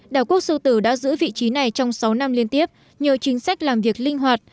đảo quốc sư tử đã giữ vị trí này trong sáu năm liên tiếp nhờ chính sách làm việc linh hoạt